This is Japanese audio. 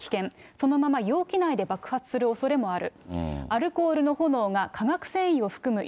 そのまま容器内で爆発するおそれもある。